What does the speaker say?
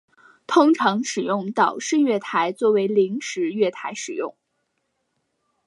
通常使用岛式月台作为临时月台使用。